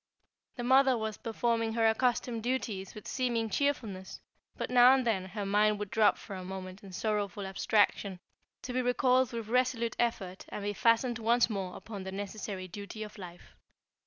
The mother was performing her accustomed duties with seeming cheerfulness, but now and then her mind would drop for a moment in sorrowful abstraction to be recalled with resolute effort and be fastened once more upon the necessary duty of life.